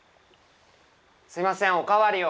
すいませんお代わりを。